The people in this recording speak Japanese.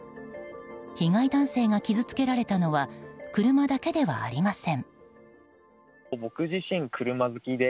被害男性が傷つけられたのは車だけではありません。